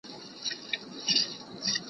زه اوږده وخت د سبا لپاره د هنرونو تمرين کوم..